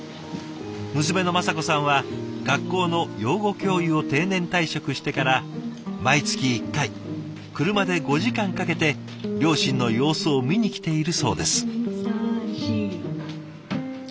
娘の雅子さんは学校の養護教諭を定年退職してから毎月１回車で５時間かけて両親の様子を見に来ているそうです。